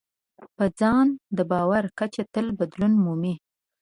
په ځان د باور کچه تل بدلون مومي.